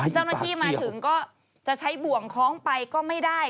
เจ้าหน้าที่มาถึงก็จะใช้บ่วงคล้องไปก็ไม่ได้